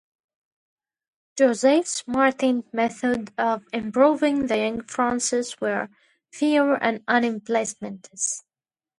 Joseph's martinet method of improving the young Francis were "fear and unpleasantness".